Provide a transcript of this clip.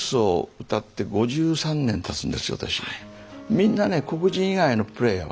みんなね黒人以外のプレーヤーはね